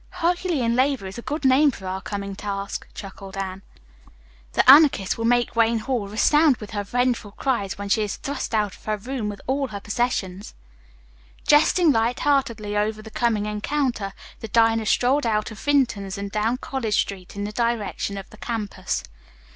"Herculean labor is a good name for our coming task," chuckled Anne. "The Anarchist will make Wayne Hall resound with her vengeful cries when she is thrust out of the room with all her possessions." Jesting light heartedly over the coming encounter, the diners strolled out of Vinton's and down College Street in the direction of the campus.